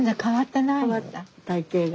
体形が。